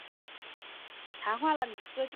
宋卡府是泰国南部其中的一个府。